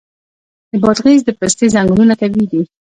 د بادغیس د پستې ځنګلونه طبیعي دي.